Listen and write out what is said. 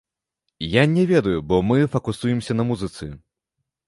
Я не ведаю, бо мы факусуемся на музыцы.